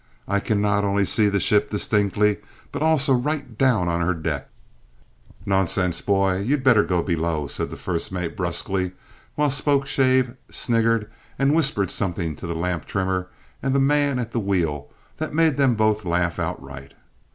I can not only see the ship distinctly, but also right down on to her deck!" "Nonsense, boy; you'd better go below!" said the first mate brusquely, while Spokeshave sniggered and whispered something to the lamp trimmer and man at the wheel that made them both laugh out right.